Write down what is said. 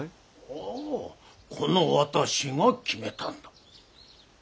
ああこの私が決めたんだ。